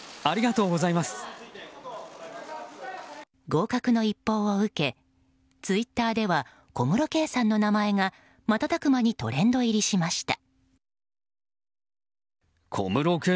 合格の一報を受けツイッターでは小室圭さんの名前が瞬く間にトレンド入りしました。